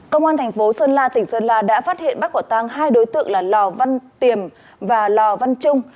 công an thành phố sơn la tỉnh sơn la đã phát hiện bắt quả tang hai đối tượng là lò văn tiềm và lò văn trung